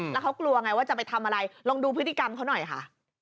แล้วเขากลัวไงว่าจะไปทำอะไรลองดูพฤติกรรมเขาหน่อยค่ะ